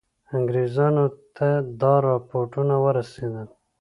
انګرېزانو ته دا رپوټونه ورسېدل.